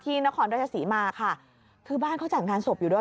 นครราชศรีมาค่ะคือบ้านเขาจัดงานศพอยู่ด้วย